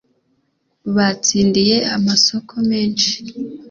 batsindiye amasoko menshi